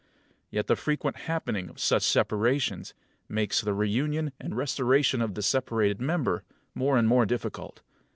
Yet the frequent happening of such separations, makes the reunion and restoration of the separated member more and more difficult.